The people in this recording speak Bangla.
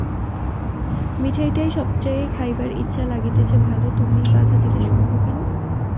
মিঠাইটাই সব চেয়ে খাইবার ইচ্ছা, লাগিতেছেও ভালো, তুমি বাধা দিলে শুনিব কেন।